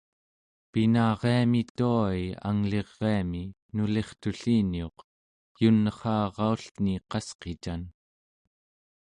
Pinariami tua-i angliriami nulirtulliniuq yun'erraraullni qasqican.